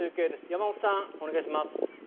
山本さん、お願いします。